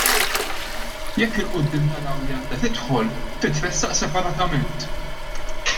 Jekk ' il quddiem naraw li għandha tidħol, titressaq separatament.